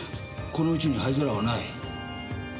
この家に灰皿はない。